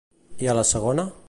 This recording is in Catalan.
I a la segona?